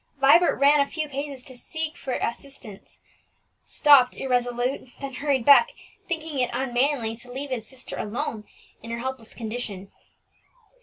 Vibert ran a few paces to seek for assistance, stopped irresolute, then hurried back, thinking it unmanly to leave his sister alone in her helpless condition.